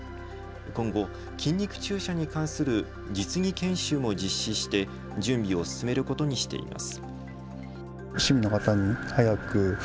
今後、筋肉注射に関する実技研修も実施して準備を進めることにしています。